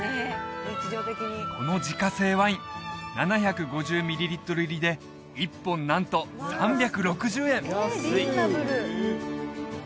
この自家製ワイン７５０ミリリットル入りで１本なんと３６０円！